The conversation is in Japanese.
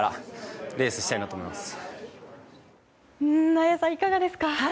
綾さん、いかがですか。